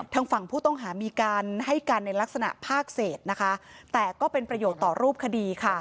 ทางฝั่งผู้ต้องหามีการให้การในลักษณะภาคเศษนะคะแต่ก็เป็นประโยชน์ต่อรูปคดีค่ะ